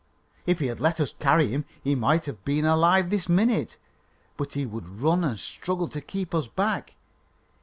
"If he had let us carry him, he might have been alive this minute; but he would run and struggle to keep us back.